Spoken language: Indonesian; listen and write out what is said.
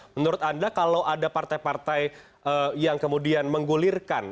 menurut anda kalau ada partai partai yang kemudian menggulirkan